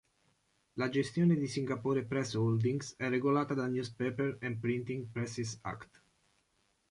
La gestione di Singapore Press Holdings è regolata dal "Newspaper and Printing Presses Act".